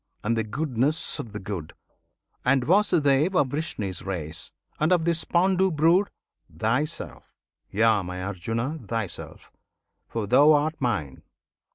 and the goodness of the good, And Vasudev of Vrishni's race, and of this Pandu brood Thyself! Yea, my Arjuna! thyself; for thou art Mine!